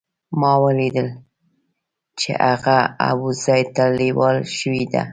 ما ولیدل چې هغه ابوزید ته لېوال شوی دی.